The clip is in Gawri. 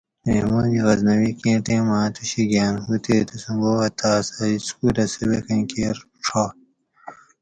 محمود غزنوی کیں ٹیمہ اتوشی گاۤن ھو تے تسوں بوبہ تاۤس اَ اِسکولۂ سبِقیں کیر ڛائ